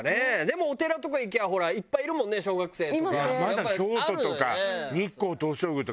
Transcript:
でもお寺とか行けばほらいっぱいいるもんね小学生とか。